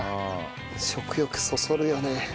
食欲そそるよね。